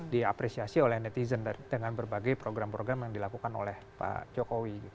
diapresiasi oleh netizen dengan berbagai program program yang dilakukan oleh pak jokowi